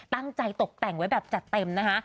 ตั้งใจตกแต่งไว้แบบจัดเต็มนะคะ